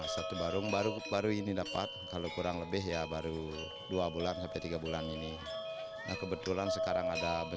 sekolah tertanian dan kami mendapatkan bantuan gamelan dari dpr